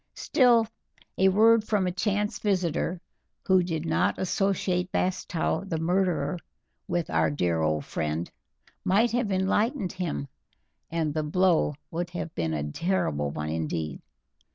Still, a word from a chance visitor, who did not associate Bastow the murderer with our dear old friend, might have enlightened him, and the blow would have been a terrible one indeed.